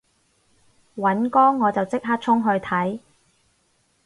尹光我就即刻衝去睇